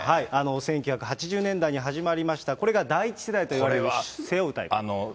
１９８０年代に始まりました、これが第１世代といわれるこれ昔、タカさんね、背負うタイプ。